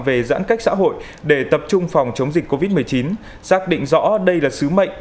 về giãn cách xã hội để tập trung phòng chống dịch covid một mươi chín xác định rõ đây là sứ mệnh